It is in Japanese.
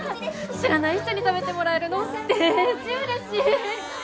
知らない人に食べてもらえるのでーじうれしい。